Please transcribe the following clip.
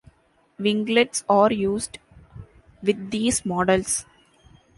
Winglets are used with these models.